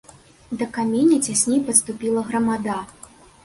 Да каменя цясней падступіла грамада.